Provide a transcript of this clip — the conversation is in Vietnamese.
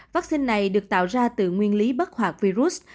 vắc xin này được tạo ra từ nguyên lý bất hoạt virus